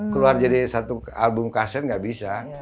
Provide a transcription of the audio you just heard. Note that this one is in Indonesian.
keluar jadi satu album kaset nggak bisa